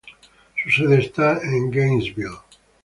Su sede está en Gainesville.